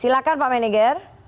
silakan pak menegger